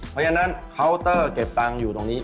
เพราะฉะนั้นเคาน์เตอร์เก็บตังค์อยู่ตรงนี้